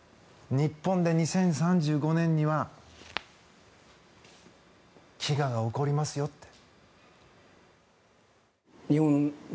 日本で２０３５年には飢餓が起こりますよって。